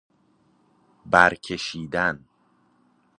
برکشیدن